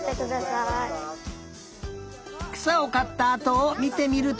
くさをかったあとをみてみると。